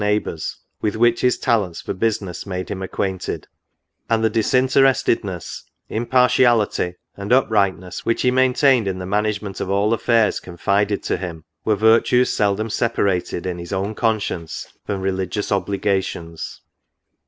neighbours, with which his talents for business made him acquainted ; and the disinterestedness, impartiality, and up rightness which he maintained in the management of all af fairs confided to him, were virtues seldom separated in his own conscience from religious obligations.